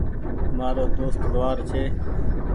مآرو دوست لوهآر ڇي۔